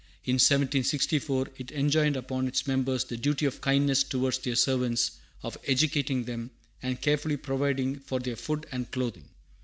In 1764 it enjoined upon its members the duty of kindness towards their servants, of educating them, and carefully providing for their food and clothing.